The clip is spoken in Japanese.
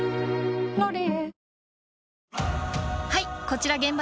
「ロリエ」